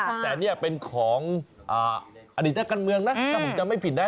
แต่อย่างเนี่ยเป็นของออนิตกรรมเมืองนะ